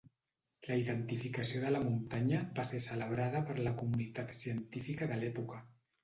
La identificació de la muntanya va ser celebrada per la comunitat científica de l'època.